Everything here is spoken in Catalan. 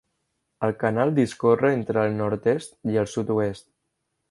El canal discorre entre el nord-est i el sud-oest.